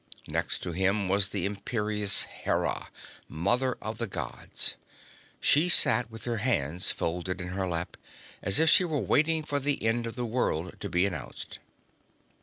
Next to him was the imperious Hera, Mother of the Gods. She sat with her hands folded in her lap, as if she were waiting for the end of the world to be announced.